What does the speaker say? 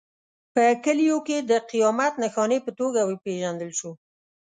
په کلیو کې د قیامت نښانې په توګه وپېژندل شو.